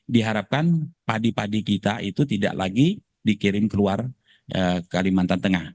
diharapkan padi padi kita itu tidak lagi dikirim keluar kalimantan tengah